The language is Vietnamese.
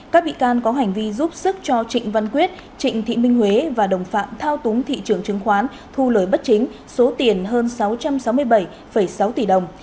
các bị can có hành vi giúp sức cho trịnh văn quyết trịnh thị minh huế và đồng phạm thao túng thị trường chứng khoán thu lời bất chính số tiền hơn sáu trăm sáu mươi bảy sáu tỷ đồng